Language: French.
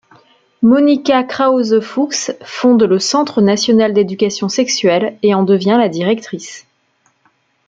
Monika Krause-Fuchs fonde le Centre national d'éducation sexuelle et en devient la directrice.